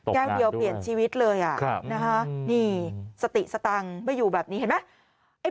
แก้วเดียวเปลี่ยนชีวิตเลยนะคะนี่สติสตังค์ไม่อยู่แบบนี้เห็นไหม